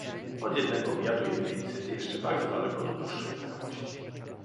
"Od jednego obiadu i jednej wizyty, jeszcze bardzo daleko do dłuższej znajomości."